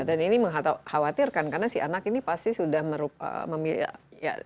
dan ini mengkhawatirkan karena si anak ini pasti sudah memilih